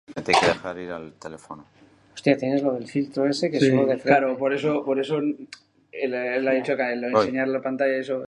Ipar-ekialdeko haizeak tarteka gogor ibiliko da kostaldean.